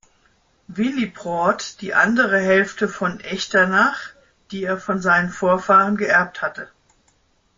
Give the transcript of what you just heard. Willibrord die andere Hälfte von Echternach, die er von seinen Vorfahren geerbt hatte.